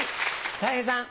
たい平さん。